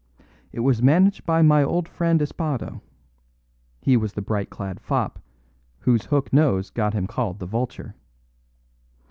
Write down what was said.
It was managed by my old friend Espado; he was the bright clad fop, whose hook nose got him called the Vulture.